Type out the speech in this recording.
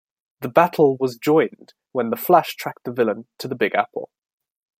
The battle was joined when the Flash tracked the villain to the Big Apple.